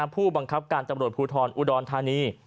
ผู้บังคับการตำรวจภูทรอุดรธานี